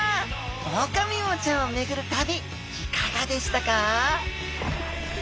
オオカミウオちゃんを巡る旅いかがでしたか？